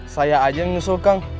saya aja yang nyusul kang